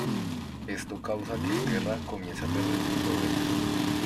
Esto causa que Terra comience a perder sus poderes.